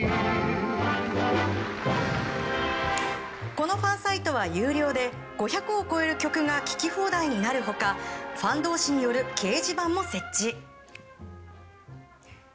このファンサイトは有料で５００を超える曲が聴き放題になる他ファン同士による掲示板も設置。